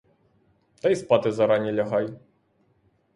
Та й спати зарані лягай.